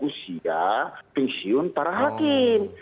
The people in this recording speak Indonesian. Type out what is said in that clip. usia pensiun para hakim